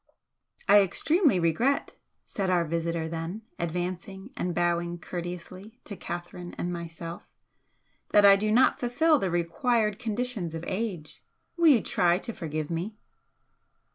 "I extremely regret," said our visitor then, advancing and bowing courteously to Catherine and myself "that I do not fulfil the required conditions of age! Will you try to forgive me?"